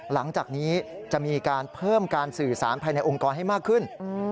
หลังจากนี้จะมีการเพิ่มการสื่อสารภายในองค์กรให้มากขึ้น